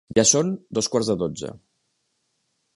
Ja són dos quarts d'onze.